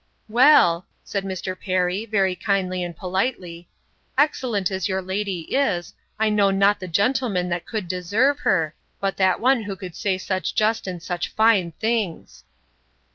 Well, said Mr. Perry, very kindly and politely, excellent as your lady is, I know not the gentleman that could deserve her, but that one who could say such just and such fine things.